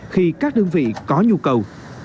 khi các đơn vị có nhu cầu